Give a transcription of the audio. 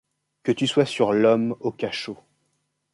Que tu sois sur l’homme au cachot